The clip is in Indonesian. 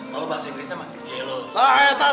kalau bahasa inggrisnya mah jelos